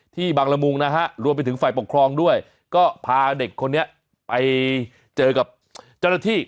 บางละมุงนะฮะรวมไปถึงฝ่ายปกครองด้วยก็พาเด็กคนนี้ไปเจอกับเจ้าหน้าที่